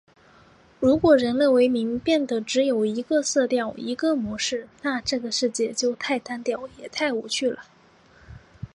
如果人类文明变得只有一个色调、一个模式了，那这个世界就太单调了，也太无趣了！